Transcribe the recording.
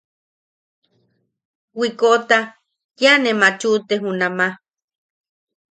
Wikoʼota kia ne machuʼute junama.